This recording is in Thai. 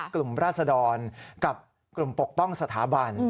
ราศดรกับกลุ่มปกป้องสถาบัน